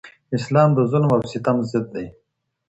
اسلام د ظلم او ستم ضد دی.